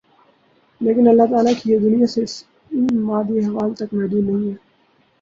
لیکن اللہ تعالیٰ کی یہ دنیا صرف ان مادی احوال تک محدود نہیں ہے